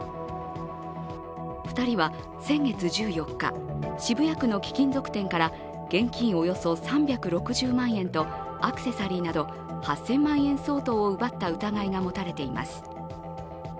２人は先月１４日、渋谷区の貴金属店から現金およそ３６０万円とアクセサリーなど８０００万円相当を奪った疑いが持たれています。